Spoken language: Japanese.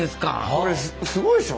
これすごいでしょ？